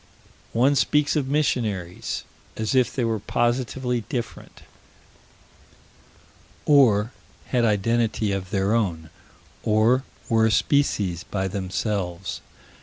One speaks of missionaries, as if they were positively different, or had identity of their own, or were a species by themselves.